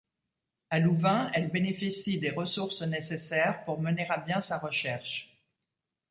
À Louvain, elle bénéficie des ressources nécessaires pour mener à bien sa recherche.